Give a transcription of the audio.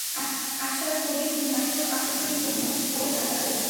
আশরাফ কবির মনে করেন, পাঠক আকর্ষণের জন্য খবরের কাগজ রাখা জরুরি।